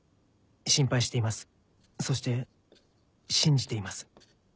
心配していますそして信じています。